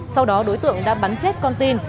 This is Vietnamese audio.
sau đó đối tượng đã bắn chết con tin